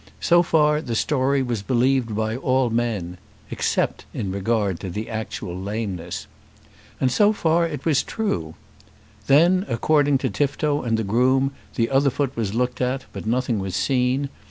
So far the story was believed by all men, except in regard to the actual lameness. And so far it was true. Then, according to Tifto and the groom, the other foot was looked at, but nothing was seen.